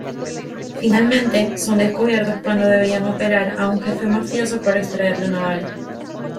Finalmente, son descubiertos cuando debían operar a un jefe mafioso para extraerle una bala.